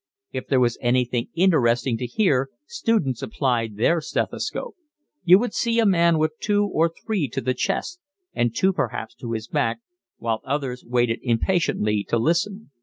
If there was anything interesting to hear students applied their stethoscope: you would see a man with two or three to the chest, and two perhaps to his back, while others waited impatiently to listen.